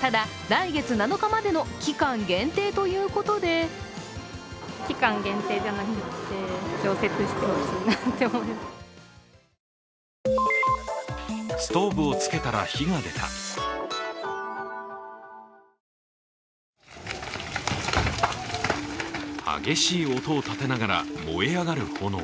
ただ、来月７日までの期間限定ということで激しい音を立てながら燃え上がる炎。